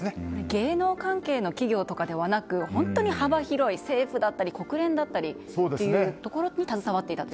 芸能関係の企業だけではなく本当に幅広い政府だったり国連だったりというところに携わっていたと。